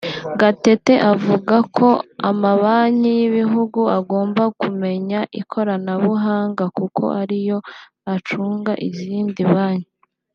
Gatete avuga ko amabanki y’ibihugu agomba kumenya ikoranabuhanga kuko ari yo acunga izindi banki